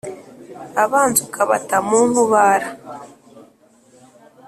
Abanzi ukabata mu nkubara